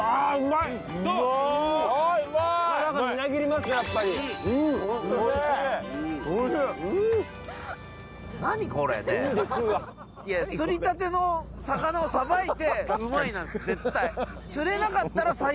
いや釣りたての魚をさばいて「うまい」なんです絶対。